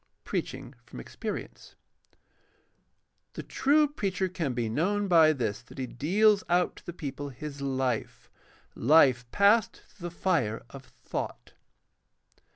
Preaching from experience. — "The true preacher can be known by this, that he deals out to the people his life — Hfe passed through the fire of thought."